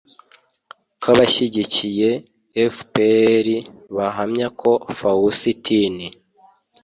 k'abashyigikiye fpr bahamya ko fawusitini